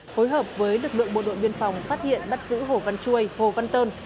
phối hợp với lực lượng bộ đội biên phòng phát hiện bắt giữ hồ văn chuôi hồ văn tơn